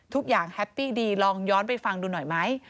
แฮปปี้ดีลองย้อนไปฟังดูหน่อยไหม